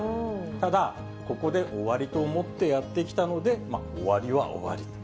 ただ、ここで終わりと思ってやってきたので、終わりは終わりと。